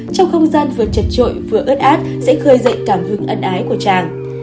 trong không gian vừa chật trội vừa ớt át sẽ khơi dậy cảm hứng ân ái của chàng